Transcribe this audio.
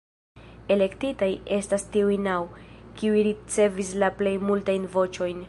Elektitaj estas tiuj naŭ, kiuj ricevis la plej multajn voĉojn.